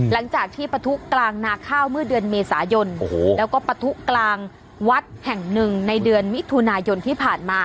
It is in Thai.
หลังจากที่ปะทุกรางนาข้าวเมื่อเดือนเมษายนแล้วก็ปะทุกลางวัดแห่งหนึ่งในเดือนมิถุนายนที่ผ่านมา